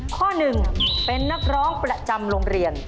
ข้อหนึ่งเป็นนักร้องประจำโรงเรียน